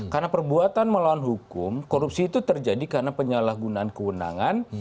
karena perbuatan melawan hukum korupsi itu terjadi karena penyalahgunaan keundangan